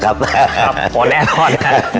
ครับพอแน่นอนครับ